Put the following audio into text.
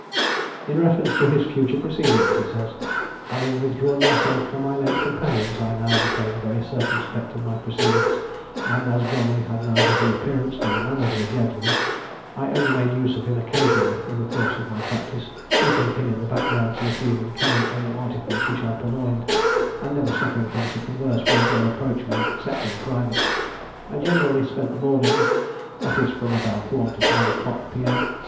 In reference to his future proceedings he says, "Having withdrawn myself from my late companions, I now became very circumspect in my proceedings; and as Bromley had neither the appearance nor the manners of a gentleman, I only made use of him occasionally in the course of my practice, keeping him in the back ground to receive and carry any articles which I purloined, and never suffering him to converse with or approach me, except in private. I generally spent the mornings, that is from about one to five o'clock P.M.